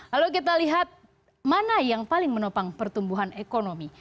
lalu kita lihat mana yang paling menopang pertumbuhan ekonomi